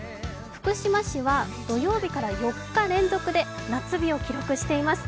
福島市は土曜日から４日連続で夏日を記録しています。